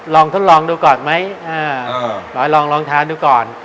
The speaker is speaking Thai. ลองทดลองดูก่อนไหมลองทานดูก่อน